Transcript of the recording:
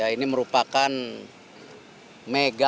ini merupakan mega